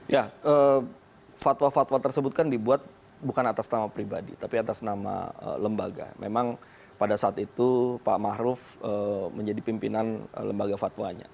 ya fatwa fatwa tersebut kan dibuat bukan atas nama pribadi tapi atas nama lembaga memang pada saat itu pak ⁇ maruf ⁇ menjadi pimpinan lembaga fatwanya